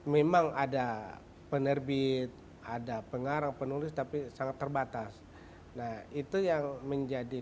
memang ada penerbit ada pengarang penulis tapi sangat terbatas nah itu yang menjadi